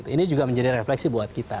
ini juga menjadi refleksi buat kita